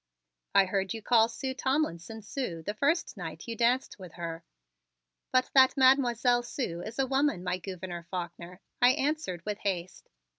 "I heard you call Sue Tomlinson 'Sue' the first night you danced with her." "But that Mademoiselle Sue is a woman, my Gouverneur Faulkner," I answered with haste.